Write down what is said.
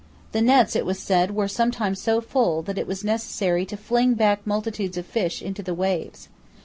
The nets, it was said, were sometimes so full that it was necessary to fling back multitudes of fish into the waves.